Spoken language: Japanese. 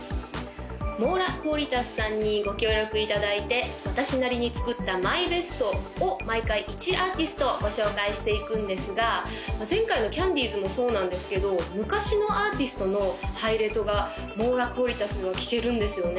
ｍｏｒａｑｕａｌｉｔａｓさんにご協力いただいて私なりに作ったＭＹＢＥＳＴを毎回１アーティストご紹介していくんですが前回のキャンディーズもそうなんですけど昔のアーティストのハイレゾがｍｏｒａｑｕａｌｉｔａｓでは聴けるんですよね